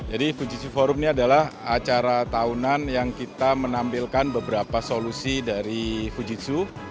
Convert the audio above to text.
jadi fujitsu forum ini adalah acara tahunan yang kita menampilkan beberapa solusi dari fujitsu